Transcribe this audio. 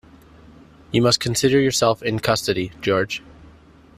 You must consider yourself in custody, George.